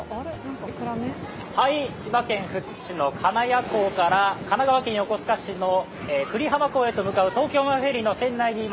千葉県富津市の金谷港から神奈川県横須賀市の久里浜港へと向かうフェリーです。